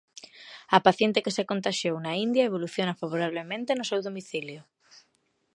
A paciente que se contaxiou na India evoluciona favorablemente no seu domicilio.